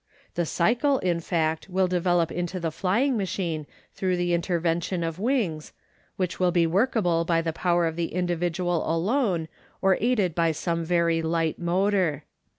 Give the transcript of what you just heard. The cycle, in fact, will develop into the flying machine through the intervention of wings, which will be workable by the power of the individual alone or aided by some very light motor.